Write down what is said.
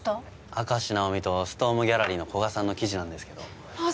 明石ナオミとストームギャラリーの古賀さんの記事なんですけどあっ